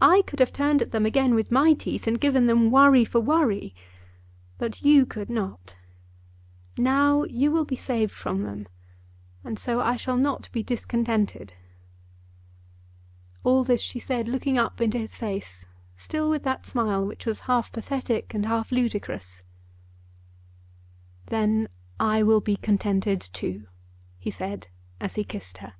I could have turned at them again with my teeth, and given them worry for worry; but you could not. Now you will be saved from them, and so I shall not be discontented." All this she said looking up into his face, still with that smile which was half pathetic and half ludicrous. "Then I will be contented too," he said as he kissed her.